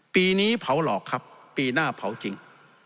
ปีนี้เผาหลอกครับปีหน้าเผาจริง